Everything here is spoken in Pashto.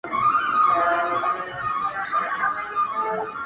خو مخته دي ځان هر ځلي ملنگ در اچوم.